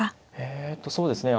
えとそうですね